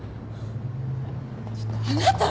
ちょっとあなたね。